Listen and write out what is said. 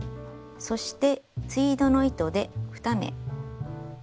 そしてツイードの糸で２目。